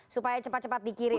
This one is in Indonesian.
supaya cepat cepat dikirim